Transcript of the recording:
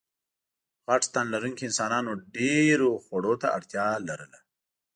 غټ تنلرونکو انسانانو ډېرو خوړو ته اړتیا لرله.